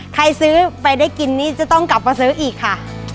ใครซื้อไปได้กินนี่จะต้องกลับมาซื้ออีกค่ะ